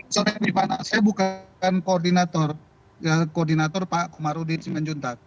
selamat sore mbak ripana saya bukan koordinator pak komarudin simenjuntak